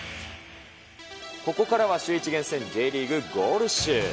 ここからはシューイチ厳選、Ｊリーグゴール集。